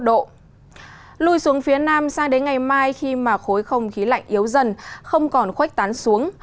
lui xuống phía nam sang đến ngày mai khi mà khối không khí lạnh yếu dần không còn khuếch tán xuống